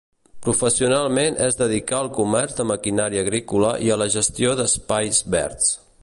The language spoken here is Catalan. Professionalment es dedicà al comerç de maquinària agrícola i a la gestió d'espais verds.